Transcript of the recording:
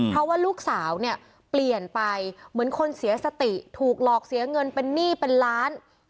เพราะว่าลูกสาวเนี่ยเปลี่ยนไปเหมือนคนเสียสติถูกหลอกเสียเงินเป็นหนี้เป็นล้าน